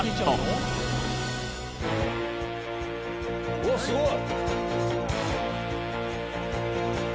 うわっすごい！